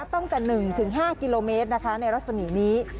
ตั้งแต่๑๕กิโลเมตรนะคะในรัศมีนี้